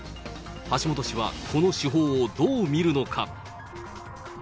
橋下氏はこの手法をどう見るのか。